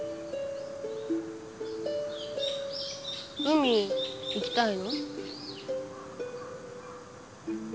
海行きたいの？